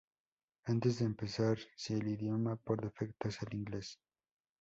Antes de empezar, si el idioma por defecto es el inglés